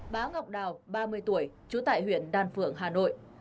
bá ngọc đào ba mươi tuổi trú tại huyện đan phượng hà nội